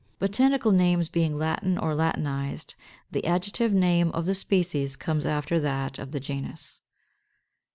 Botanical names being Latin or Latinized, the adjective name of the species comes after that of the genus.